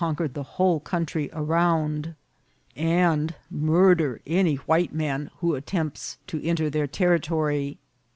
quered the whole country around, and murder any white man who attempts to enter their territory.